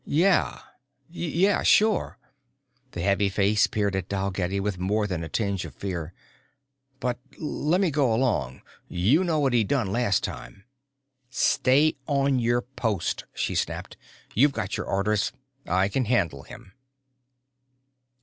"Yeah, yeah sure." The heavy face peered at Dalgetty with more than a tinge of fear. "But lemme go along. Yuh know what he done last time." "Stay on your post!" she snapped. "You've got your orders. I can handle him."